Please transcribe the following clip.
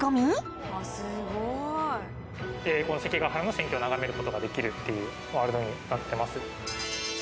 この関ヶ原の戦況を眺める事ができるっていうワールドになってます。